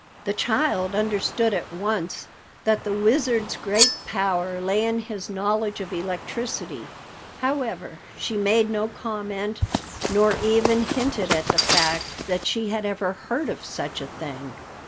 The child understood at once that the Wizard's great power lay in his knowledge of electricity. However, she made no comment, nor even hinted at the fact that she had ever heard of such a thing.